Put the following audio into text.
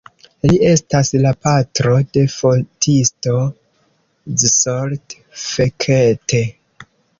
Li estas la patro de fotisto Zsolt Fekete.